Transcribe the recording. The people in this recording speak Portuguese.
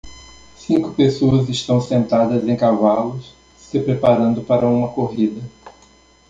Cinco pessoas estão sentadas em cavalos se preparando para uma corrida